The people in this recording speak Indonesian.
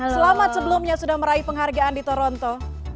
selamat sebelumnya sudah meraih penghargaan di toronto